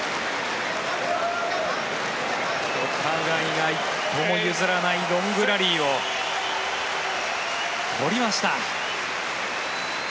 お互いに一歩も譲らないロングラリーを取りました。